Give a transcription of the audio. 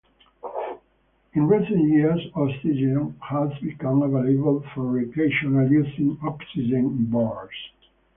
In recent years, oxygen has become available for recreational use in oxygen bars.